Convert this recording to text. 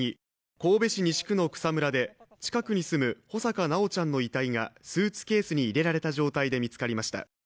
神戸市西区の草むらで近くに住む穂坂修ちゃんの遺体がスーツケースに入れられた状態で見つかりました。